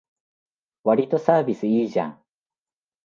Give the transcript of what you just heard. わりとサービスいいじゃん